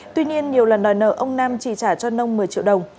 tuy nhiên nhiều lần đòi nợ ông nam chỉ trả cho nông một mươi triệu đồng